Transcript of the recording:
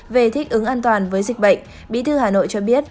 về thích ứng an toàn với dịch bệnh bí thư hà nội cho biết